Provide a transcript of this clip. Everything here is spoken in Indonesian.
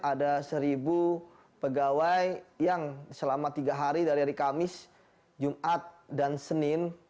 ada seribu pegawai yang selama tiga hari dari hari kamis jumat dan senin